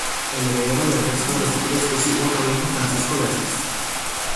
El heredero del resto de los títulos fue su otro hijo Francisco de Asís.